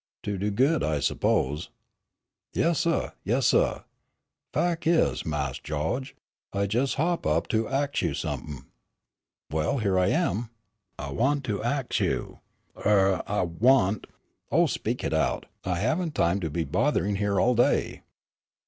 "To do good, I suppose?" "Yes, suh; yes, suh. Fac' is, Mawse Gawge, I jes' hop up to ax you some'p'n." "Well, here I am." "I want to ax you I want to ax you er er I want " "Oh, speak out. I haven't time to be bothering here all day."